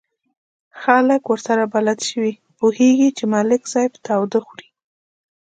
خلک ورسره بلد شوي، پوهېږي چې ملک صاحب تاوده خوري.